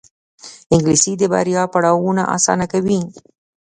انګلیسي د بریا پړاوونه اسانه کوي